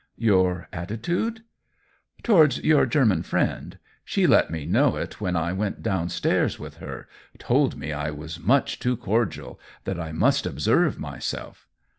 " Your attitude ?" "Towards your German friend. She let me know it when I went down stairs with her — told me I was much too cordial, that I must observe myself."